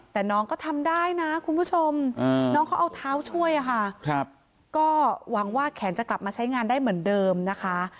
แต่น้องก็ทำได้นะคุณผู้ชมน้องเขาเอาเท้าช่วยค่ะก็หวังว่าแขนจะกลับมาใช้งานได้เหมือนเดิมนะคะ